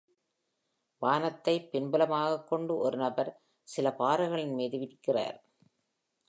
வானத்தை பின்புலமாகக் கொண்டு ஒரு நபர் சில பாறைகளின் மீது நிற்கிறார்.